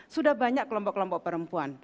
sudah banyak kelompok kelompok perempuan